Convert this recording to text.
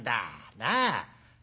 なあ。